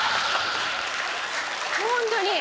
ホントに。